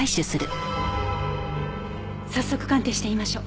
早速鑑定してみましょう。